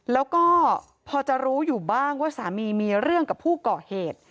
แล้วก็พอจะรู้อยู่บ้างว่าสามีมีเรื่องกับผู้ก่อเหตุ